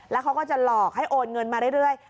แล้วเขาก็จะหลอกให้โอนเงินมาเรื่อย